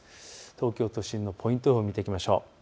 東京都心のポイント予報で見ていきましょう。